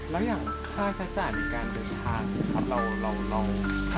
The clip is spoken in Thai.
แล้วอย่างค่าใช้จ่ายพิการเดินทางเราทำอย่างไรบ้าง